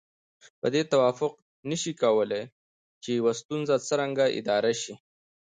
په دې توافق نشي کولای چې يوه ستونزه څرنګه اداره شي.